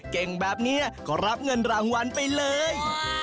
เก่งแบบนี้ก็รับเงินรางวัลไปเลย